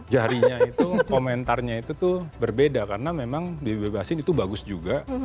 jarinya itu komentarnya itu tuh berbeda karena memang dibebasin itu bagus juga